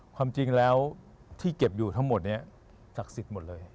ความจริงแล้วที่เก็บอยู่ทั้งหมดนี้ศักดิ์สิทธิ์หมดเลย